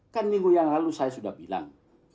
kan minggu yang lalu saya sudah bilang